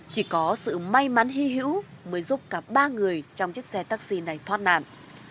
chỉ có sự may mắn hy hữu mới giúp cả ba người trong chiếc xe taxi này thoát nạn